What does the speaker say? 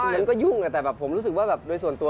ยังก็ยุ่งแต่ผมรู้สึกว่าโดยส่วนเป็นตัว